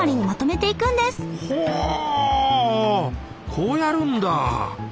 こうやるんだ。